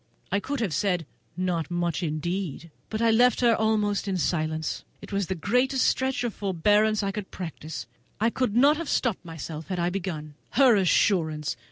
I could have said, "Not much, indeed!" but I left her almost in silence. It was the greatest stretch of forbearance I could practise. I could not have stopped myself had I begun. Her assurance!